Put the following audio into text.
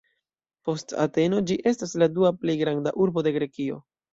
Post Ateno ĝi estas la dua plej granda urbo de Grekio.